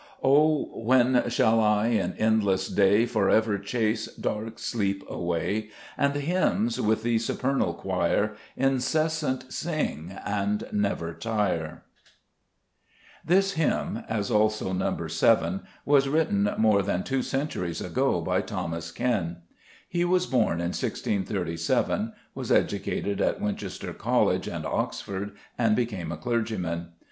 6 O when shall I in endless day For ever chase dark sleep away, And hymns with the supernal choir Incessant sing, and never tire ! This hymn, as also No. 7, was written more than two centuries ago by Thomas Ken. He was born in 1637, was educated at Winchester College and Oxford, and became a clergyman.